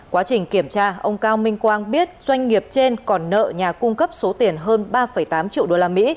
quá trình kiểm tra ông cao minh quang biết doanh nghiệp trên còn nợ nhà cung cấp số tiền hơn ba tám triệu usd